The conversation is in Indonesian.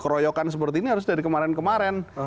keroyokan seperti ini harus dari kemarin kemarin